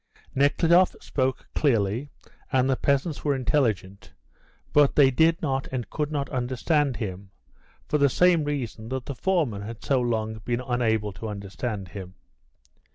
Nekhludoff spoke clearly, and the peasants were intelligent, but they did not and could not understand him, for the same reason that the foreman had so long been unable to understand him.